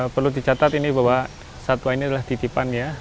perlu dicatat ini bahwa satwa ini adalah titipan ya